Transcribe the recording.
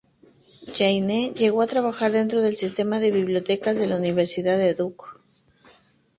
Jayne llegó a trabajar dentro del sistema de bibliotecas de la Universidad de Duke.